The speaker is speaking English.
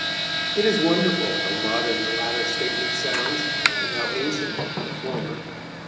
It is wonderful how modern the latter statement sounds, and how ancient the former.